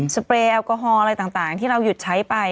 เปรย์แอลกอฮอล์อะไรต่างที่เราหยุดใช้ไป